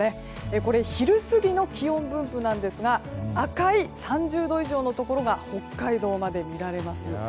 これ、昼過ぎの気温分布なんですが赤い３０度以上のところが北海道まで見られます。